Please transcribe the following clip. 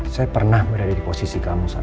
saya pernah berada di posisi kamu satu